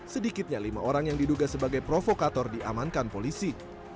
sedikitnya lima orang yang diduga sebagai provokator diamankan polisi